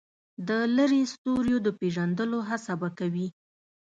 د لرې ستوریو د پېژندلو هڅه به کوي.